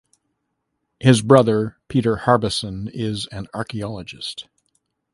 His brother Peter Harbison is an archaeologist.